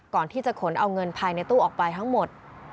ก่อนที่จะขนเอาเงินภายในตู้ออกไปทั้งหมด